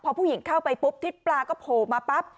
พอผู้หญิงเข้าไปปุ๊บทิศปลาก็โผล่มาปั๊บ